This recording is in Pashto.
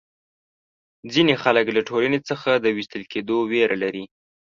ځینې خلک له ټولنې څخه د وېستل کېدو وېره لري.